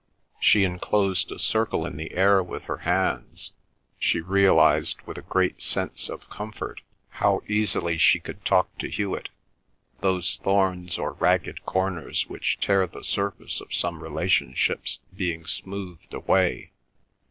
She enclosed a circle in the air with her hands. She realised with a great sense of comfort how easily she could talk to Hewet, those thorns or ragged corners which tear the surface of some relationships being smoothed away.